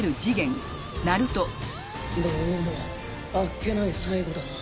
どうもあっけない最期だな。